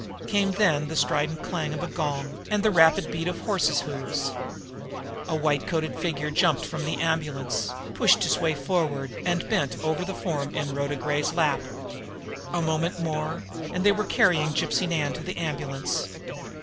Came then the strident clang of a gong and the rapid beat of horses' hoofs. A white coated figure jumped from the ambulance, pushed his way forward, and bent over the form in Rhoda Gray's lap. A moment more, and they were carrying Gypsy Nan to the ambulance.